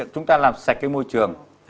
chúng ta làm sạch cái môi trường